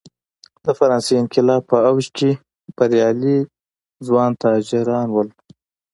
د فرانسې انقلاب په اوج کې بریالي ځوان تاجر و.